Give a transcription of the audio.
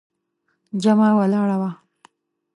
جمعه ولاړه وه.